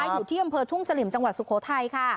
อยู่ที่อำเภอทุ่งสลิมจังหวัดสุโขทัยค่ะ